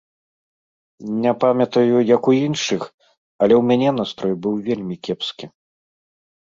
Не памятаю, як у іншых, але ў мяне настрой быў вельмі кепскі.